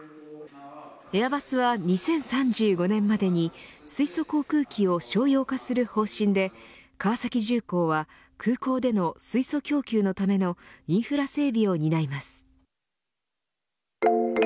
エアバスは２０３５年までに水素航空機を商用化する方針で川崎重工は空港での水素供給のためのインフラ整備を担います。